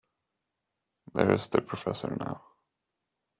There's the professor now.